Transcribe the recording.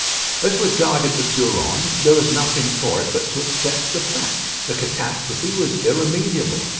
As regarded the Durande, there was nothing for it but to accept the fact; the catastrophe was irremediable.